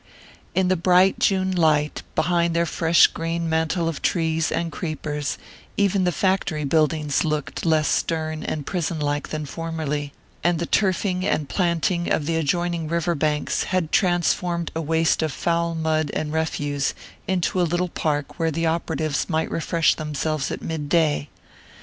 In the bright June light, behind their fresh green mantle of trees and creepers, even the factory buildings looked less stern and prison like than formerly; and the turfing and planting of the adjoining river banks had transformed a waste of foul mud and refuse into a little park where the operatives might refresh themselves at midday.